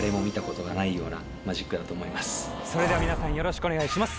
それでは皆さんよろしくお願いします。